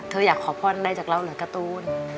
เธออยากขอพรได้จากเราหรือการ์ตูน